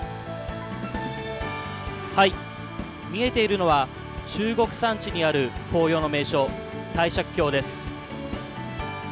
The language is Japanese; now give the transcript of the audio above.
見えているのは中国山地にある紅葉の名所帝釈峡です。